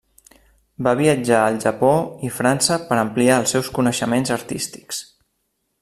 Va viatjar al Japó i França per ampliar els seus coneixements artístics.